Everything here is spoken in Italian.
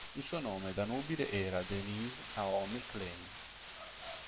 Il suo nome da nubile era Denise Naomi Klein.